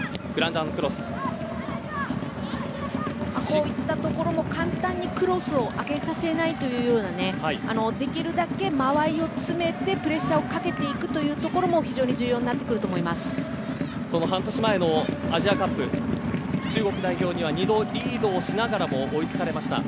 こういったところも簡単にクロスを上げさせないというようなできるだけ間合いを詰めてプレッシャーをかけていくというところも非常に重要になってくると半年前のアジアカップ中国代表には２度リードしながらも追いつかれました。